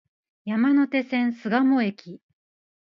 山手線、巣鴨駅